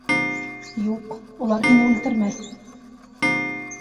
Юҡ, улар һине үлтермәҫ!